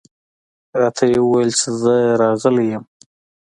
راته یې وویل چې زه راغلی یم.